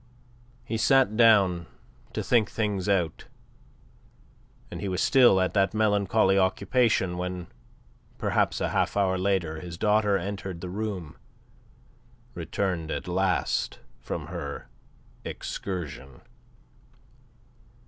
He sat down to think things out, and he was still at that melancholy occupation when perhaps a half hour later his daughter entered the room, returned at last from her excursion.